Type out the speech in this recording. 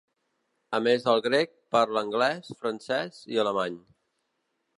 A més del grec, parla anglès, francès i alemany.